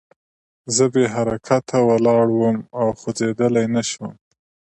زه بې حرکته ولاړ وم او خوځېدلی نه شوم